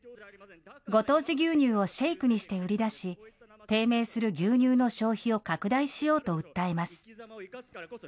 ご当地牛乳をシェイクにして売り出し、低迷する牛乳の消費を拡大しようと訴えます。